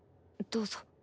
どうぞ。